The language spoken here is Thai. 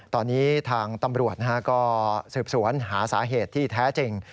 ตอนนี้ทางตำรวจก็สืบสวนหาสาเหตุที่แท้จริง